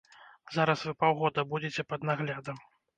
Зараз вы паўгода будзеце пад наглядам.